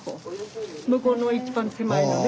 向こうの一番手前のね